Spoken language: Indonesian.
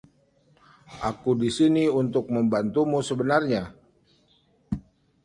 Aku di sini untuk membantumu sebenarnya.